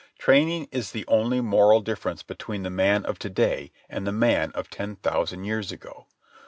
Training is the only moral difference between the man of to day and the man of ten thousand years ago.